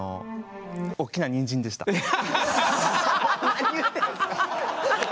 何言ってんすか。